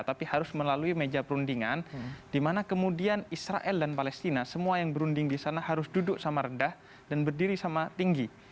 tapi harus melalui meja perundingan di mana kemudian israel dan palestina semua yang berunding di sana harus duduk sama rendah dan berdiri sama tinggi